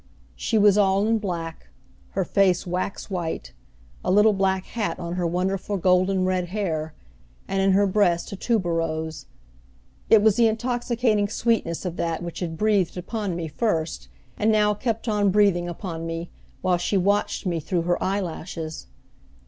She was all in black, her face wax white, a little black hat on her wonderful golden red hair, and in her breast a tuberose. It was the intoxicating sweetness of that which had breathed upon me first, and now kept on breathing upon me, while she watched me through her eyelashes.